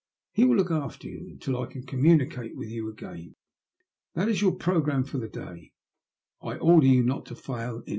He will look after you until I can communicate with you again. That is your programme for the day. I order you not to fail in.